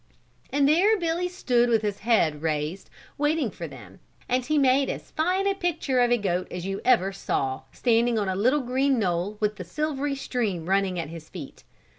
And there Billy stood with his head raised waiting for them and he made as fine a picture of a goat as you ever saw, standing on a little green knoll with the silvery stream running at his feet.